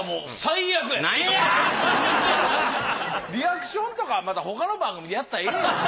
リアクションとか他の番組でやったらええやん。